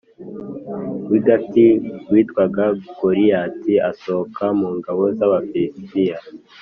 w’i Gati witwaga Goliyati asohoka mu ngabo z’Abafilisitiya